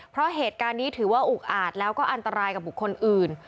เพราะเหตุการณ์นี้ถือว่าอุกอาจแล้วก็อันตรายกับบุคคลอื่น